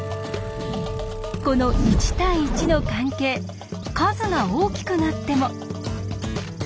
この１対１の関係数が大きくなっても。